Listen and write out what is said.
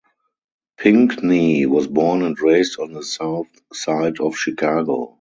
Pinkney was born and raised on the South Side of Chicago.